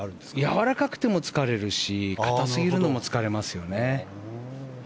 やわらかくても疲れるし硬すぎるのも疲れますよね。